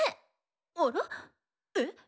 あら？え？